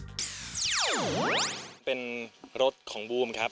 เป็นรถของบูมครับ